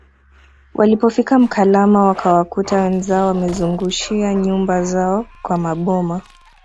Walipofika Mkalama wakawakuta wenzao wamezungushia nyumba zao kwa Maboma